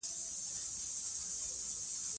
علم انسان ته شعور ورکوي.